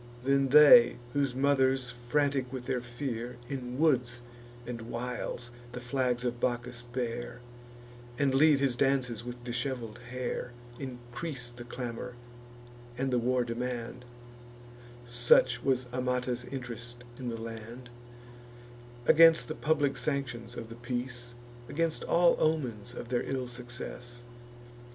Then they, whose mothers, frantic with their fear, In woods and wilds the flags of Bacchus bear, And lead his dances with dishevel'd hair, Increase the clamour, and the war demand, (Such was Amata's int'rest in the land,) Against the public sanctions of the peace, Against all omens of their ill success.